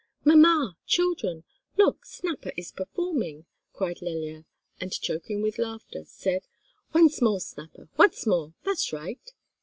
"Mamma! children! look, Snapper is performing," cried Lelya, and choking with laughter, said: "Once more, Snapper, once more. That's right!"